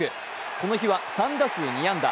この日は３打数２安打。